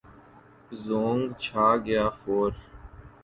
زونگ چھا گیا فور